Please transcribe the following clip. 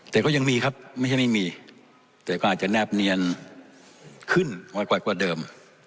แต่ก็ยังมีครับไม่ใช่ไม่มีแต่ก็อาจจะแนบเนียนขึ้นน้อยกว่าเดิม